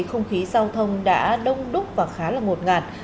không khí giao thông đã đông đúc và khá là tốt